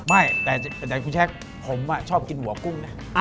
ไม่แต่อย่างคุณแชคผมชอบกินหัวกุ้งนะ